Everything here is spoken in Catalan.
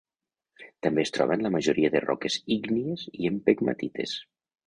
També es troba en la majoria de roques ígnies i en pegmatites.